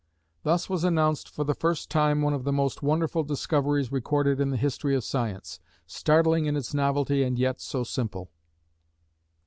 Thus was announced for the first time one of the most wonderful discoveries recorded in the history of science, startling in its novelty and yet so simple.